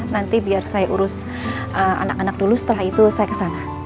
nanti biar saya urus anak anak dulu setelah itu saya kesana